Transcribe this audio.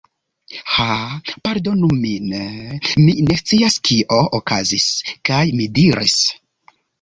Haa... pardonu min... mi ne scias kio okazis. kaj mi diris: